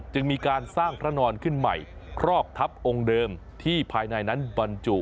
จึงมีการสร้างพระนอนขึ้นใหม่ครอบทัพองค์เดิมที่ภายในนั้นบรรจุ